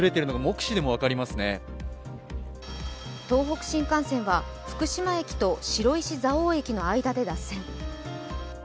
東北新幹線は福島駅と白石蔵王駅の間で脱線。